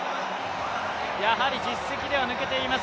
やはり実績では抜けています